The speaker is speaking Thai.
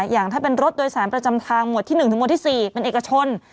อย่างถ้าเป็นรถโดยสารประจำทางหมวดที่๑ถึงหมวดที่๔เป็นเอกชน